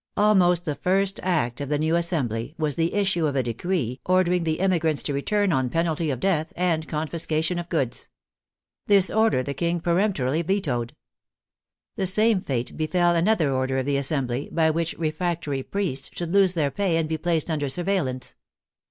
Almost the first act of the New Assembly was the issue of a decree ordering the emigrants to return on penalty of death and confiscation of goods. This order the King peremptorily vetoed. The same fate befell an other order of the Assembly, by which refractory priests should lose their pay and be placed under surveillance.